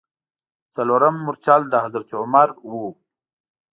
څلورم مورچل د حضرت عمر و.